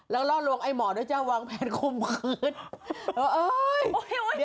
เรารอลวงไอหมอและวางแพ้นคมขึ้น